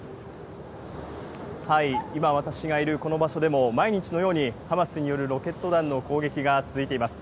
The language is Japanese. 今私がいるこの場所でも、毎日のようにハマスによるロケット弾の攻撃が続いています。